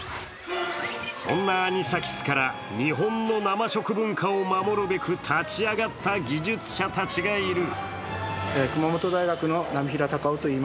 そんなアニサキスから、日本の生食文化を守るべく立ち上がった技術者たちがいる。